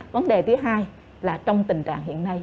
vấn đề thứ hai là trong tình trạng hiện nay